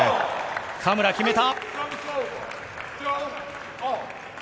嘉村、決めた。